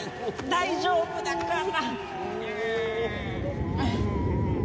大丈夫だから！